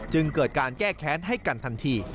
จึงเกิดการแก้แค้นให้กันทันที